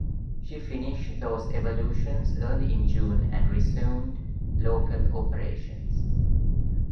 She finished those evolutions early in June and resumed local operations.